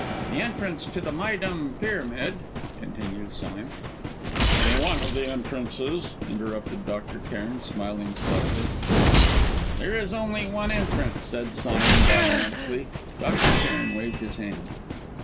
"The entrance to the Méydûm Pyramid ," continued Sime. "One of the entrances," interrupted Dr. Cairn, smiling slightly. "There is only one entrance," said Sime dogmatically. Dr. Cairn waved his hand.